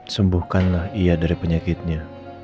sembuhkanlah ia dari penyakitnya